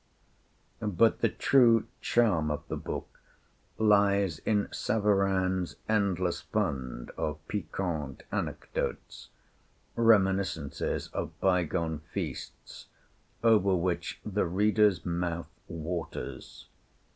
But the true charm of the book lies in Savarin's endless fund of piquant anecdotes, reminiscences of bygone feasts, over which the reader's mouth waters.